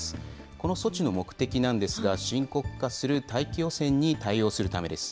この措置の目的なんですが、深刻化する大気汚染に対応するためです。